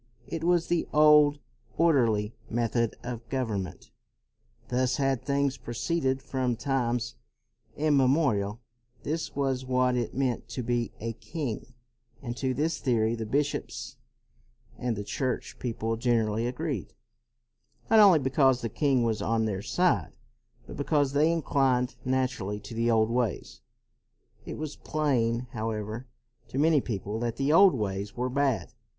It was the old, orderly method of government; thus had things proceeded from times immemorial; this was what it meant to be a king. And to CROMWELL 241 this theory the bishops and the church people generally agreed; not only because the king was on their side, but because they inclined naturally to the old ways. It was plain, however, to many people that the old ways were bad.